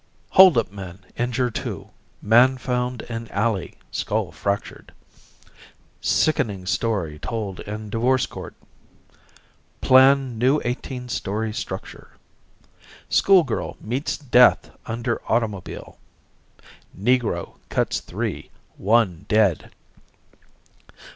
"Hold up Men Injure Two. Man Found in Alley, Skull Fractured." "Sickening Story Told in Divorce Court." "Plan New Eighteen story Structure." "School girl Meets Death under Automobile." "Negro Cuts Three. One Dead."